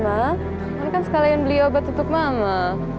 mak kamu kan sekalian beli obat untuk mama